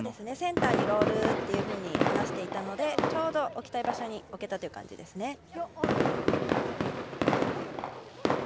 センターにロールというふうに話していたのでちょうど置きたい場所に置けたという感じですね。